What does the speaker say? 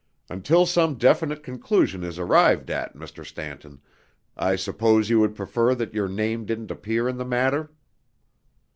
Until some definite conclusion is arrived at, Mr. Stanton, I suppose you would prefer that your name didn't appear in the matter?"